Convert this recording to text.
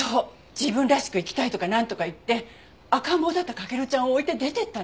自分らしく生きたいとかなんとか言って赤ん坊だった翔ちゃんを置いて出て行ったの。